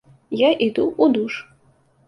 Я іду ў душ.